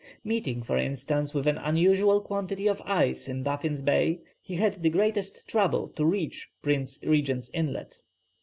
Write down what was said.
Meeting, for instance, with an unusual quantity of ice in Baffin's Bay, he had the greatest trouble to reach Prince Regent's inlet.